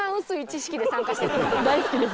大好きです